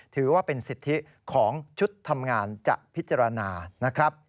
ถือว่าเป็นสิทธิของชุดทำงานจะพิจารณานะครับ